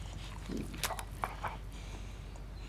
España es el principal destino turístico de los suecos.